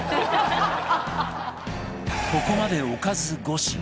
ここまでおかず５品